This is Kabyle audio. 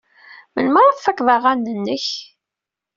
Melmi ara tfaked aɣan-nnek?